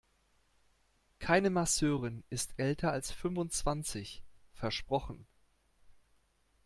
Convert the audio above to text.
Keine Masseurin ist älter als fünfundzwanzig, versprochen!